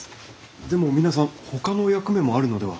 でも皆さんほかの役目もあるのでは？